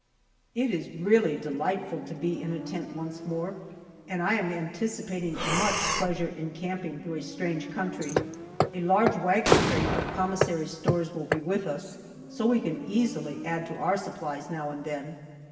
It is really delightful to be in a tent once more, and I am anticipating much pleasure in camping through a strange country. A large wagon train of commissary stores will be with us, so we can easily add to our supplies now and then.